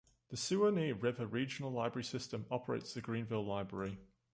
The Suwanee River Regional Library System operates the Greenville Library.